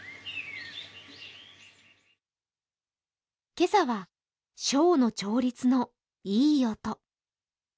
今朝は笙の調律のいい音。